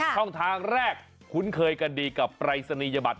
ช่องทางแรกคุ้นเคยกันดีกับปรายศนียบัตร